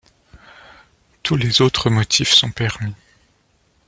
Tous les autres motifs sont permis.